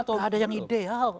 tidak ada yang ideal